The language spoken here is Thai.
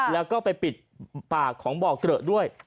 แล้วก็ไปปิดปากของบ่อเกลอะด้วย